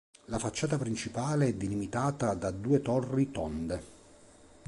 La facciata principale è delimitata da due torri tonde.